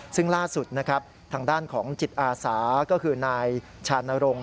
ซึ่งล่าสุดนะครับทางด้านของจิตอาสาก็คือนายชานรงค์